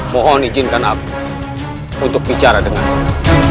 mohon izinkan aku untuk bicara denganmu